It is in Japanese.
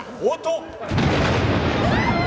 音？